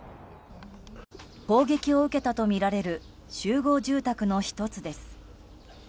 攻撃を受けたとみられる集合住宅の１つです。